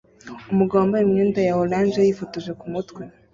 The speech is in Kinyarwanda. Umugabo wambaye imyenda ya orange yifotoje kumutwe